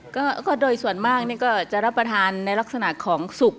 ก็โดยส่วนมากนี่ก็จะรับประทานในลักษณะของสุก